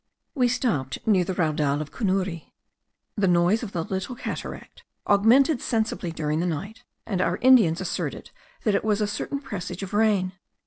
We stopped near the raudal of Cunuri. The noise of the little cataract augmented sensibly during the night, and our Indians asserted that it was a certain presage of rain.